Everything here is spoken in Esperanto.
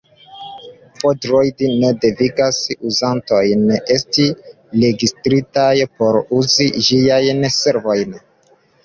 F-Droid ne devigas uzantojn esti registritaj por uzi ĝiajn servojn.